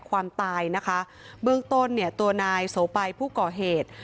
ความตายนะคะเบื้องต้นเนี่ยตัวนายโสไปผู้ก่อเหตุ